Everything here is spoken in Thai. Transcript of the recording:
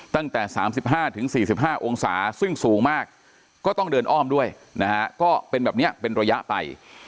ตั้งแต่๓๕๔๕องศาซึ่งสูงมากก็ต้องเดินอ้อมด้วยนะฮะก็เป็นแบบนี้เป็นระยะไป